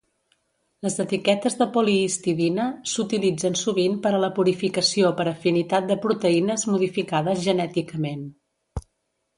Les etiquetes de polihistidina s'utilitzen sovint per a la purificació per afinitat de proteïnes modificades genèticament.